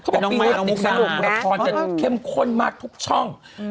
เห็นกับพี่นาคตลุกพี่นาคตเค็มขนมากทุกช่อง